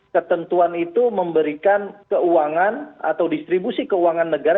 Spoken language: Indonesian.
dan ketentuan itu memberikan keuangan atau distribusi keuangan negara